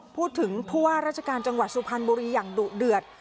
พูดถึงผู้ว่าราชการจังหวัดสุพรรณบุรีอย่างดุเดือด